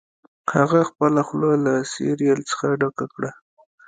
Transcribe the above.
هغه خپله خوله له سیریل څخه ډکه کړه